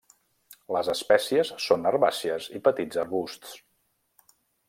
Les espècies són herbàcies i petits arbusts.